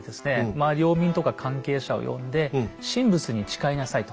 まあ領民とか関係者を呼んで神仏に誓いなさいと。